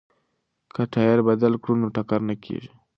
که ټایر بدل کړو نو ټکر نه کیږي.